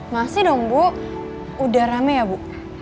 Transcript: masih dong bu udah rame ya bu